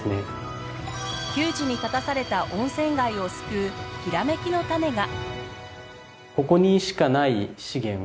窮地に立たされた温泉街を救うヒラメキのタネが。